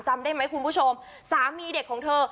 จำได้ไหมคุณผู้ชมสามีเด็กของเธอ